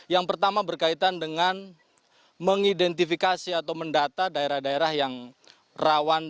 yang pertama berkaitan dengan mengidentifikasi atau mendata daerah daerah yang rawan dengan bencana tanah longsor